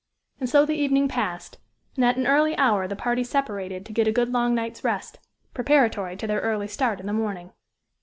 And so the evening passed; and at an early hour the party separated to get a good long night's rest, preparatory to their early start in the morning.